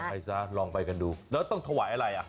ไปซะลองไปกันดูแล้วต้องถวายอะไรอ่ะ